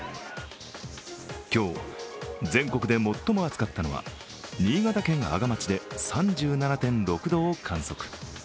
今日全国で最も暑かったのは新潟県阿賀町で３７．６度を観測。